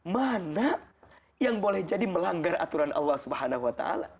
mana yang boleh jadi melanggar aturan allah swt